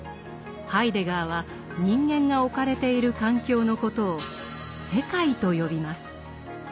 ハイデガーは人間が置かれている環境のことを「世界」と呼びます。